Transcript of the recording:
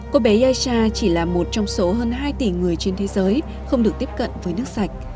cô bé aisha chỉ là một trong số hơn hai tỷ người trên thế giới không được tiếp cận với nước sạch